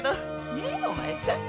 ねえお前さん？